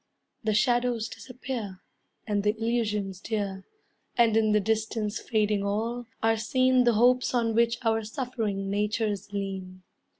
The shadows disappear, And the illusions dear; And in the distance fading all, are seen The hopes on which our suffering natures lean.